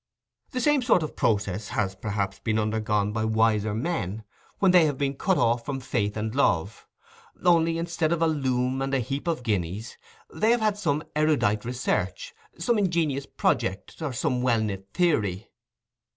The same sort of process has perhaps been undergone by wiser men, when they have been cut off from faith and love—only, instead of a loom and a heap of guineas, they have had some erudite research, some ingenious project, or some well knit theory.